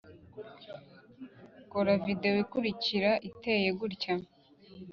kora videwo ikurikira iteye gutya